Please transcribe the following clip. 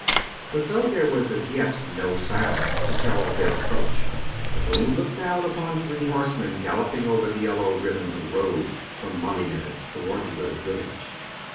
But though there was as yet no sound to tell of their approach, the moon looked down upon three horsemen galloping over the yellow ribbon of road from Malines toward the little village.